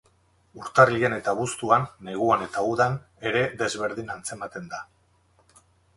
Urtarrilean eta abuztuan, neguan eta udan, ere desberdin antzematen da.